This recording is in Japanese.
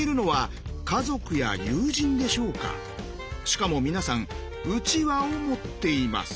しかも皆さんうちわを持っています。